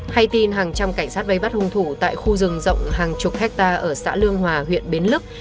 hay tin hàng trăm cảnh sát vây bắt hung thủ tại khu rừng rộng hàng chục hectare ở xã lương hòa huyện bến lức